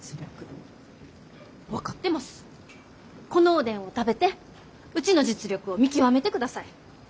このおでんを食べてうちの実力を見極めてください。